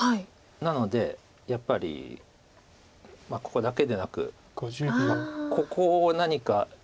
なのでやっぱりここだけでなくここを何か。